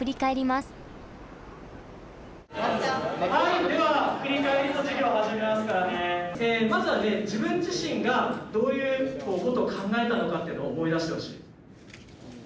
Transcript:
まずはね自分自身がどういうことを考えたのかっていうのを思い出してほしい。